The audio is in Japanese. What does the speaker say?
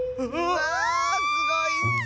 ⁉わあすごいッス！